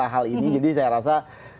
hal ini jadi saya rasa